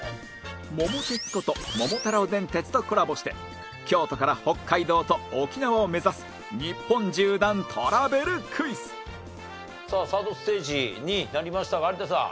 「桃鉄」こと『桃太郎電鉄』とコラボして京都から北海道と沖縄を目指す日本縦断トラベルクイズさあサードステージになりましたが有田さん。